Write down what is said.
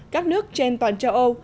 các nước trên toàn châu âu